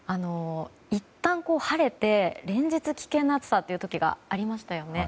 いったん晴れて連日危険な暑さという時がありましたよね。